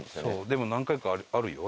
でも何回かあるよ